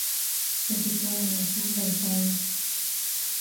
Se sitúa en el sur del país.